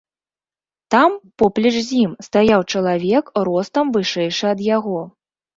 Там, поплеч з ім, стаяў чалавек, ростам вышэйшы ад яго.